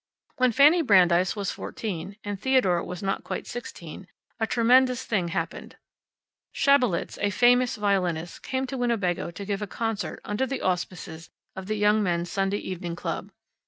When Fanny Brandeis was fourteen, and Theodore was not quite sixteen, a tremendous thing happened. Schabelitz, the famous violinist, came to Winnebago to give a concert under the auspices of the Young Men's Sunday Evening Club.